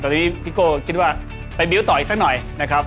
ตอนนี้พี่โก้คิดว่าไปบิ้วต่ออีกสักหน่อยนะครับ